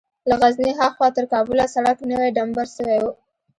له غزني ها خوا تر کابله سړک نوى ډمبر سوى و.